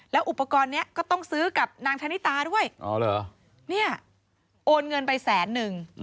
แล้วอุปกรณ์นี้ก็ต้องซื้อกับนางชะนิตาด้วยโอนเงินไปแสนหนึ่ง